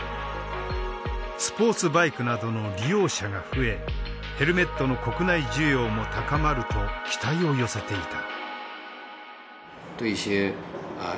スポーツバイクなどの利用者が増えヘルメットの国内需要も高まると期待を寄せていた。